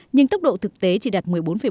nhưng tốc độ thực tế chỉ đạt một mươi bốn bảy